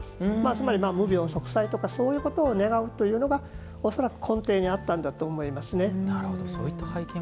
つまり、無病息災とかそういうことを願うというのが恐らく根底にあったんだと思います。